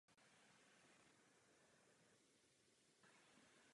Ve své závěti odkázal své značné bohatství charitě.